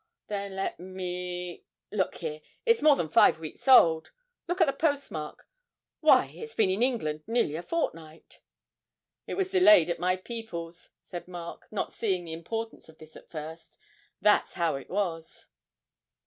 Then let me look here, it's more than five weeks old look at the postmark why, it's been in England nearly a fortnight!' 'It was delayed at my people's,' said Mark, not seeing the importance of this at first, 'that's how it was.'